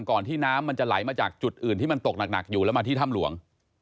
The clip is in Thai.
ที่น้ำมันจะไหลมาจากจุดอื่นที่มันตกหนักอยู่แล้วมาที่ถ้ำหลวง